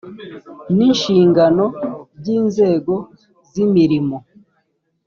n inshingano by inzego z imirimo